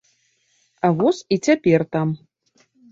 А воз і цяпер там.